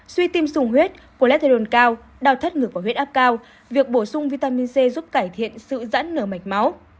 suy tim sùng huyết colesterol cao đau thất ngược và huyết áp cao việc bổ sung vitamin c giúp cải thiện sự giãn nở mạch máu